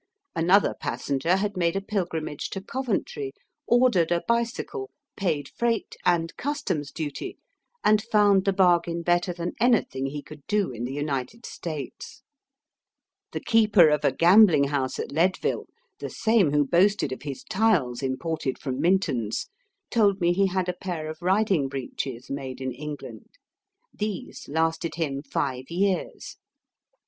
Another passenger had made a pilgrimage to Coventry, ordered a bicycle, paid freight and Customs duty, and found the bargain better than anything he could do in the United States, The keeper of a gambling Digitized by VjOOQIC THE LABOUB QUESTION. 147 house at Leadville, the same who boasted of his tiles imported from Minton's, told me he had a pair of riding breeches made in England. These lasted him five years.